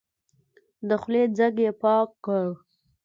د خولې ځګ يې پاک کړ.